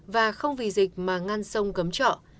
và không vì dịch mà ngăn sông cấm trợ